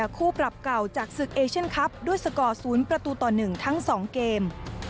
คู่ปรับเก่าจากศึกเอเชียนคลับด้วยสกอร์๐ประตูต่อ๑ทั้ง๒เกม